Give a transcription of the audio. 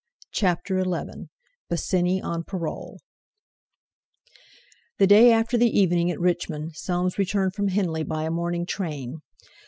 CHAPTER XI BOSINNEY ON PAROLE The day after the evening at Richmond Soames returned from Henley by a morning train.